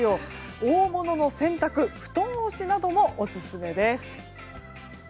大物の洗濯、布団干しなどもおすすめです。